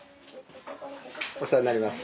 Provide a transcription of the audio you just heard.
お世話になります。